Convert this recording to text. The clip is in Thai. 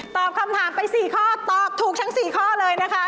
ตอบคำถามไป๔ข้อตอบถูกทั้ง๔ข้อเลยนะคะ